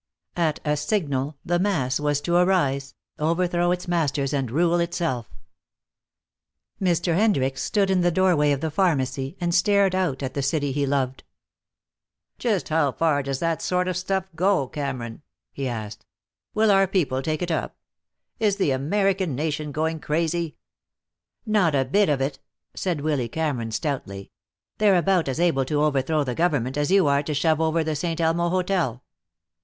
At a signal the mass was to arise, overthrow its masters and rule itself. Mr. Hendricks stood in the doorway of the pharmacy and stared out at the city he loved. "Just how far does that sort of stuff go, Cameron?" he asked. "Will our people take it up? Is the American nation going crazy?" "Not a bit of it," said Willy Cameron stoutly. "They're about as able to overthrow the government as you are to shove over the Saint Elmo Hotel."